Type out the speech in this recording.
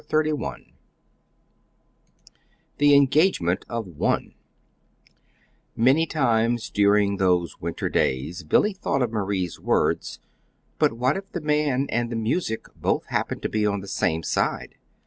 CHAPTER XXXI THE ENGAGEMENT OF ONE Many times during those winter days Billy thought of Marie's words: "But what if the man and the music both happen to be on the same side?"